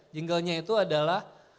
jingle nya itu adalah